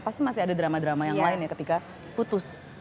pasti masih ada drama drama yang lainnya ketika putus